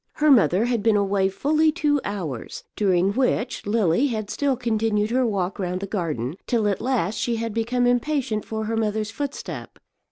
Her mother had been away fully two hours, during which Lily had still continued her walk round the garden, till at last she had become impatient for her mother's footstep.